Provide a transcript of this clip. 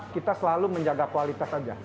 kita selalu menjaga kualitas saja